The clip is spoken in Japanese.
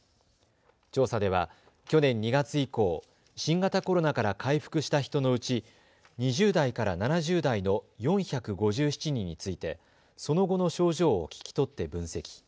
調査では去年２月以降、新型コロナから回復した人のうち２０代から７０代の４５７人についてその後の症状を聞き取って分析。